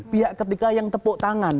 pihak ketiga yang tepuk tangan